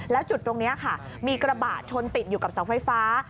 แล้วจุดตรงนี้ค่ะมีกระบะชนติดอยู่กับเสาไฟฟ้า